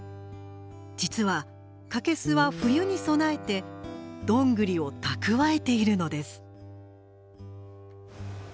実はカケスは冬に備えてドングリを蓄えているのです。